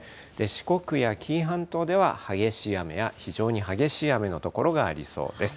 四国や紀伊半島では激しい雨や非常に激しい雨の所がありそうです。